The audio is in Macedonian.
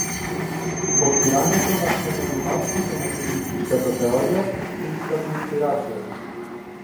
Потпирањето на втемелувачките на феминистичката теорија им служи како инспирација.